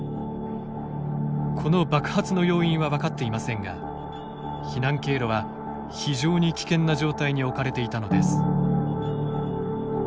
この爆発の要因は分かっていませんが避難経路は、非常に危険な状態に置かれていたのです。